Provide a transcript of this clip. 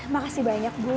makasih banyak bu